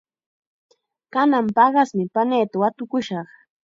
Kanan paqasmi paniita watukashaq.